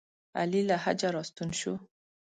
علي له حجه راستون شو.